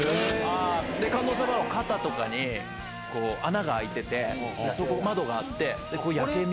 観音様の肩とかに穴が開いてて窓があって。